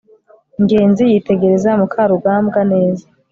ngenzi yitegereza mukarugambwa neza